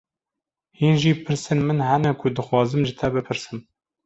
Hîn jî pirsên min hene ku dixwazim ji te bipirsim.